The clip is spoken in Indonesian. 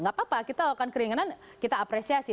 gak apa apa kita kalau keringinan kita apresiasi